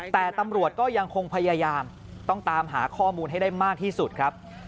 แต่ตำรวจก็ยังคงพยายามต้องตามหาข้อมูลให้ได้มากที่สุดครับ